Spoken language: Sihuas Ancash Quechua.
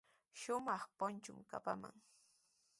Shumaq punchuumi kapaman.